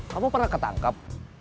kamu pernah ketangkep